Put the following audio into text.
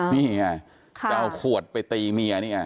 นี่ไงจะเอาขวดไปตีเมียนี่ไง